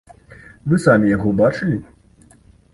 Вы самі яго бачылі?